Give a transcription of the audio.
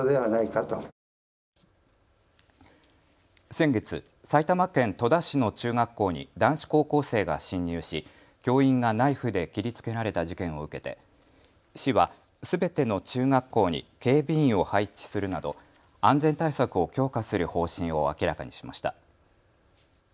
先月、埼玉県戸田市の中学校に男子高校生が侵入し教員がナイフで切りつけられた事件を受けて市はすべての中学校に警備員を配置するなど安全対策を強化する方針を明らかにしました。